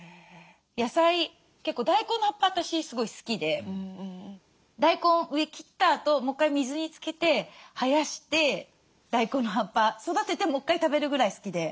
野菜結構大根の葉っぱ私すごい好きで大根上切ったあともう１回水につけて生やして大根の葉っぱ育ててもう１回食べるぐらい好きで。